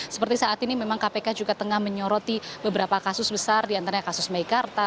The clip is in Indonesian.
seperti saat ini memang kpk juga tengah menyoroti beberapa kasus besar diantaranya kasus meikarta